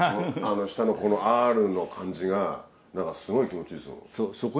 下のＲの感じが何かすごい気持ちいいですもん。